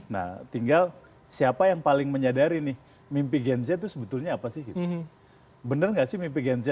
nah tinggal siapa yang paling menyadari nih mimpi genz itu sebetulnya apa sih bener gak sih mimpi genz